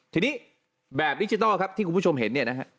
ทีนี้แบบดิจิทัลครับที่คุณผู้ชมเห็นเนี่ยนะฮะ